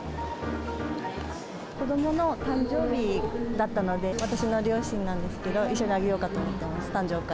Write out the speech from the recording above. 子どもの誕生日だったので、私の両親なんですけど、一緒にあげようかと思っています、誕生会。